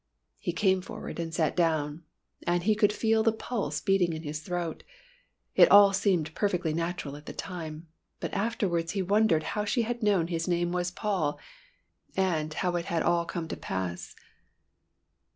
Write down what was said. He came forward and sat down, and he could feel the pulse beating in his throat. It all seemed perfectly natural at the time, but afterwards he wondered how she had known his name was Paul and how it had all come to pass.